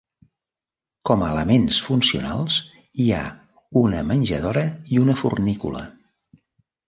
Com a elements funcionals hi ha una menjadora i una fornícula.